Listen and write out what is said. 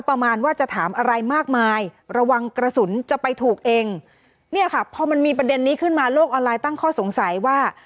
ประมาณว่าจะถามอะไรมากมายระวังกระสุนจะไปถูกเองเนี่ยค่ะพอมันมีประเด็นนี้ขึ้นมาโลกออนไลน์ตั้งข้อสงสัยว่า